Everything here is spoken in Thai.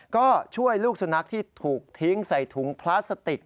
ก็ช่วยลูกสุนัขที่ถูกทิ้งใส่ถุงพลาสติก